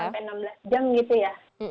sekitar dua belas sampai enam belas jam gitu ya